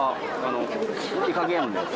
イカゲームです。